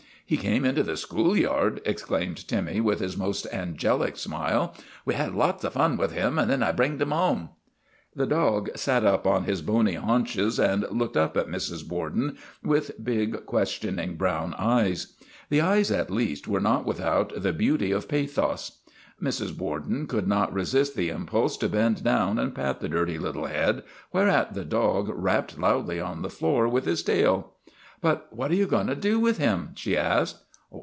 ' 1 He came into the school yard," explained Timmy, with his most angelic smile. " We had lots of fun with him and then I bringed him home." The dog sat up on his bony haunches and looked 198 THE REGENERATION OF TIMMY up at Mrs. Borden with big, questioning brown eyes. The eyes, at least, were not without the beauty of pathos. Mrs. Borden could not resist the impulse to bend down and pat the dirty little head, whereat the dog rapped loudly on the floor with his tail. " But what are you going to do with him? ' she asked.